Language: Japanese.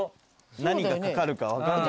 何がかかるか分かんない。